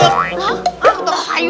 hah aku tau sayur